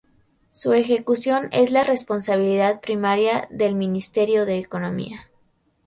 Su ejecución es la responsabilidad primaria del Ministerio de Economía.